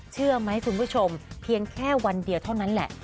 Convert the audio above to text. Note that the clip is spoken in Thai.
เชื่อไหมคุณผู้ชมเพียงแค่วันเดียวเท่านั้นแหละ